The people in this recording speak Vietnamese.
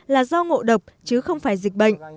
là do ngộ độc chứ không phải dịch bệnh